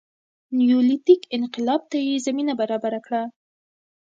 نیولیتیک انقلاب ته یې زمینه برابره کړه